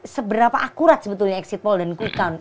seberapa akurat sebetulnya exit poll dan quick count